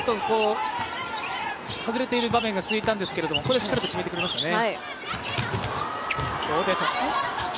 外れている場面が続いたんですがここでしっかりと決めてくれましたね。